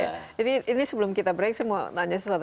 jadi ini sebelum kita break saya mau tanya sesuatu